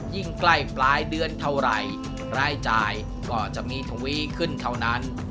ยิ่งใกล้ปลายเดือนเท่าไหร่รายจ่ายก็จะมีทวีขึ้นเท่านั้น